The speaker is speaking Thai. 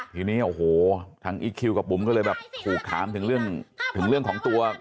ทีนี้โอ้โหทั้งอิคคิวกับปุ๋มก็เลยแบบถูกถามถึงเรื่องของตัว